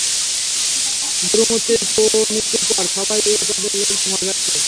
গুরুমূর্তির মৃত্যুর পর, সবাই ওই পদে লড়তে ভয় পাচ্ছে।